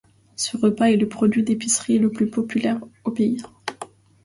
Ce repas est le produit d'épicerie le plus populaire au pays.